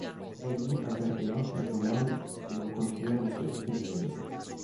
Egli avverte inoltre Beaumont di non continuare i suoi esperimenti.